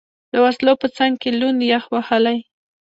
د وسلو په څنګ کې، لوند، یخ وهلی.